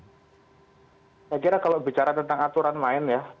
saya kira kalau bicara tentang aturan main ya